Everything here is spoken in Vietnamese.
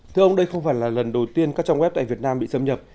thưa ông đây không phải là lần đầu tiên các trang web tại việt nam bị xâm nhập